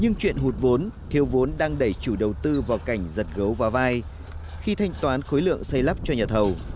nhưng chuyện hụt vốn thiếu vốn đang đẩy chủ đầu tư vào cảnh giật gấu và vai khi thanh toán khối lượng xây lắp cho nhà thầu